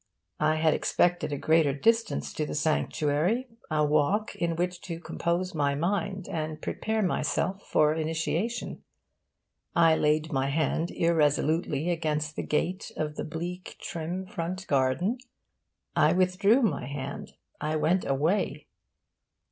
I had expected a greater distance to the sanctuary a walk in which to compose my mind and prepare myself for initiation. I laid my hand irresolutely against the gate of the bleak trim front garden, I withdrew my hand, I went away.